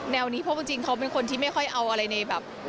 แนวนี้เพราะจริงเขาเป็นคนที่ไม่ค่อยเอาอะไรในแบบ